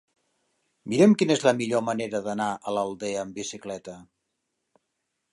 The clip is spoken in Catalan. Mira'm quina és la millor manera d'anar a l'Aldea amb bicicleta.